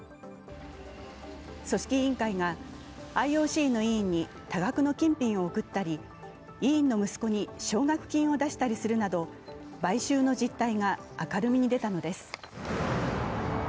組織委員会がＩＯＣの委員に多額の金品を贈ったり、委員の息子に奨学金を出したりするなど、買収の実態が明るみに出たのです。